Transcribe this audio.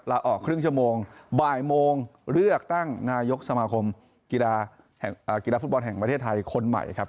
ละออกครึ่งชั่วโมงบ่ายโมงเลือกตั้งนายกสมาคมกีฬาฟุตบอลแห่งประเทศไทยคนใหม่ครับ